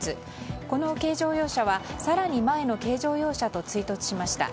この軽乗用車は更に前の軽乗用車と追突しました。